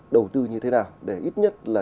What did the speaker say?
đầu tư như thế nào để ít nhất là